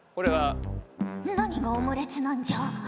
何がオムレツなんじゃ？